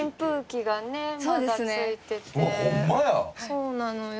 そうなのよ。